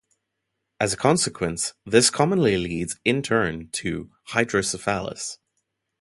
As a consequence, this commonly leads in turn to hydrocephalus.